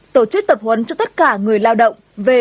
tổ chức tập huấn cho tất cả người lao động về